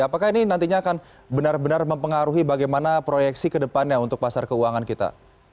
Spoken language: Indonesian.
apakah ini nantinya akan benar benar mempengaruhi bagaimana proyeksi ke depannya untuk pasar keuangan kita